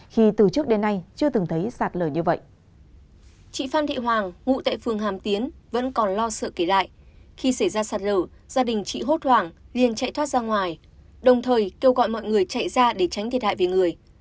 khi xảy ra sạt lở gia đình chị hốt hoảng liền chạy thoát ra ngoài đồng thời kêu gọi mọi người chạy ra để tránh thiệt hại về người